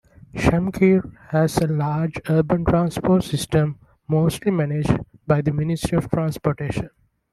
Shamkir has a large urban transport system, mostly managed by the Ministry of Transportation.